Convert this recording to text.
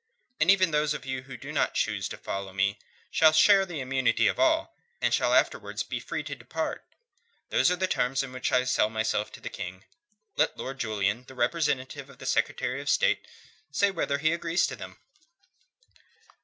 And even those of you who do not choose to follow me shall share the immunity of all, and shall afterwards be free to depart. Those are the terms upon which I sell myself to the King. Let Lord Julian, the representative of the Secretary of State, say whether he agrees to them."